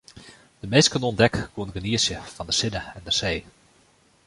De minsken oan dek koene genietsje fan de sinne en de see.